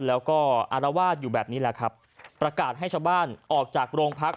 แล้วก็อารวาสอยู่แบบนี้แหละครับประกาศให้ชาวบ้านออกจากโรงพัก